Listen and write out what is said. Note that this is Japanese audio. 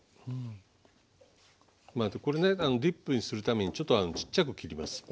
これねディップにするためにちょっとちっちゃく切ります。